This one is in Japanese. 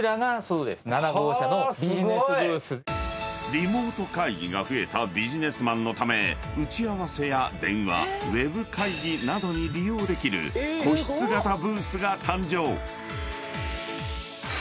［リモート会議が増えたビジネスマンのため打ち合わせや電話Ｗｅｂ会議などに利用できる個室型ブースが誕生］